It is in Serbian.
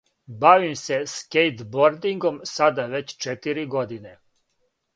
Бавим се скејтбордингом сада већ четири године.